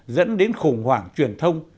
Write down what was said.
dẫn đến khủng hoảng truyền thông